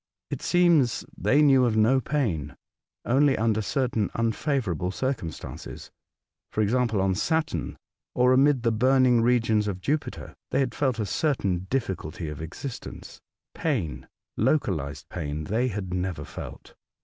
It seemed they knew of no pain, only under certain unfavourable circumstances, e.g., on Saturn, or amid the burning regions of Jupiter, they had felt a certain difficulty of existence ; pain — localised pain — they had never felt.